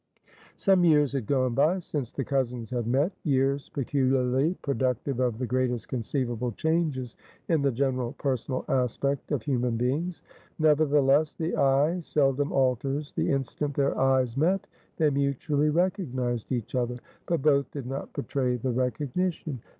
Some years had gone by since the cousins had met; years peculiarly productive of the greatest conceivable changes in the general personal aspect of human beings. Nevertheless, the eye seldom alters. The instant their eyes met, they mutually recognized each other. But both did not betray the recognition.